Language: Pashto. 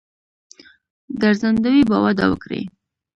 ګرځندوی به وده وکړي.